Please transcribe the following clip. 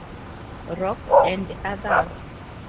Rock, and others.